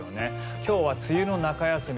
今日は梅雨の中休み